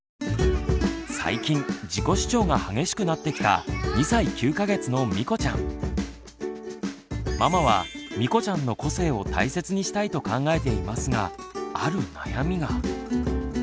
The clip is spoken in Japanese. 最近自己主張が激しくなってきたママはみこちゃんの個性を大切にしたいと考えていますがある悩みが。